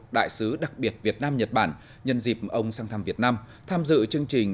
đại sứ đặc biệt việt nam nhật bản nhân dịp ông sang thăm việt nam tham dự chương trình